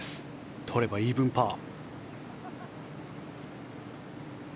とればイーブンパー。